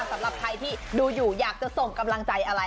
สำหรับใครที่ดูอยู่อยากจะส่งกำลังใจอะไร